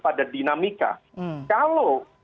pada dinamika kalau